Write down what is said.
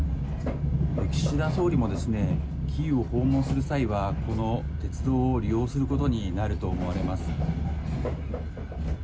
岸田総理もキーウを訪問する際はこの鉄道を利用することになると思われます。